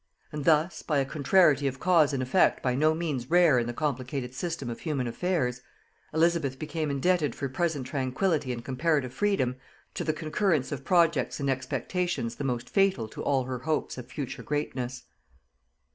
And thus, by a contrariety of cause and effect by no means rare in the complicated system of human affairs, Elizabeth became indebted for present tranquillity and comparative freedom to the concurrence of projects and expectations the most fatal to all her hopes of future greatness.